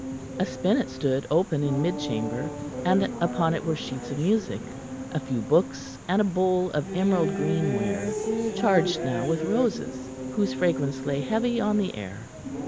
A spinet stood open in mid chamber, and upon it were sheets of music, a few books and a bowl of emerald green ware, charged now with roses, whose fragrance lay heavy on the air.